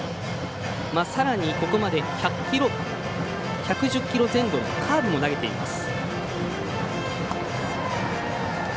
さらにここまで１１０キロ前後のカーブも投げています。